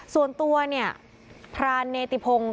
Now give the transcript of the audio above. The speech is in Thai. ส่วนตัวเนี่ยพราณเนติพงก็เชื่อบอกว่า